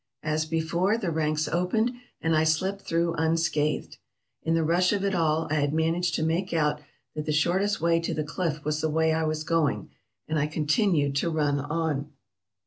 As before, the ranks opened, and I slipped through unscathed. In the rush of it all I had managed to make out that the shortest way to the cliff was the way I was going, and I continued to run on.